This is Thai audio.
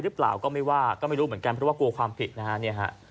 หรือเปล่าก็ไม่ว่าก็ไม่รู้เหมือนกันเพราะว่ากลัวความผิดนะฮะเนี่ยฮะ